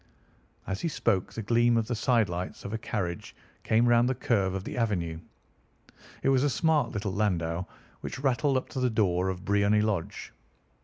As he spoke the gleam of the sidelights of a carriage came round the curve of the avenue. It was a smart little landau which rattled up to the door of Briony Lodge.